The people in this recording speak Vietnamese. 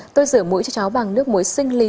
tôi rửa mũi cho cháu bằng nước muối sinh lý